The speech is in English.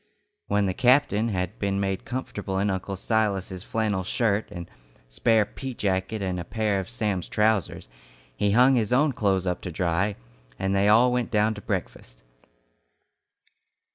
When the captain had been made comfortable in Uncle Silas's flannel shirt and spare pea jacket and a pair of Sam's trousers, he hung his own clothes up to dry, and they all went down to breakfast.